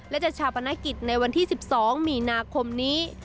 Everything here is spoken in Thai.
และจะชาปนกิจในวันที่๑๒มีนาคมนี้